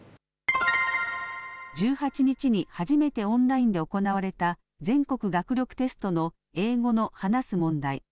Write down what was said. １８日に初めてオンラインで行われた全国学力テストの英語の話す問題。